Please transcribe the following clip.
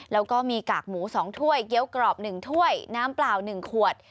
แล้วก็มีกากหมู๒ถ้วยเกี้ยวกรอบ๑ถ้วยน้ำเปล่า๑ขวด